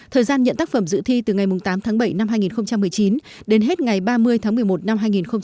thời gian nhận tác phẩm dự thi từ ngày tám tháng bảy năm hai nghìn một mươi chín đến hết ngày ba mươi tháng một mươi một năm hai nghìn hai mươi